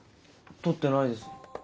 取ってないです。